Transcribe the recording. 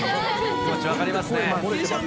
気持ちわかりますね。